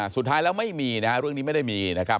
สุดท้ายแล้วไม่มีนะฮะเรื่องนี้ไม่ได้มีนะครับ